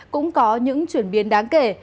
cũng có những chuyển biến đáng kể